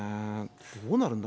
どうなるんだろ。